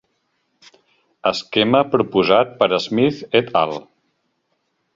Esquema proposat per Smith et al.